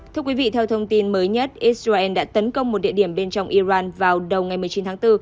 thưa quý vị theo thông tin mới nhất israel đã tấn công một địa điểm bên trong iran vào đầu ngày một mươi chín tháng bốn